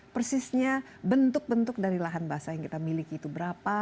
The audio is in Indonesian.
persisnya bentuk bentuk dari lahan basah yang kita miliki itu berapa